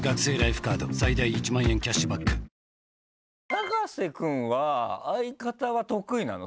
永瀬くんは相方は得意なの？